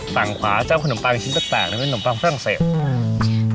ฝั่งขวาจะเอาขนมปังเป็นชิ้นต่างแล้วเป็นนมปังเพิ่มเสร็จ